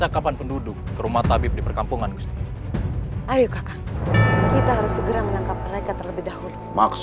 kuakum berjahat banyak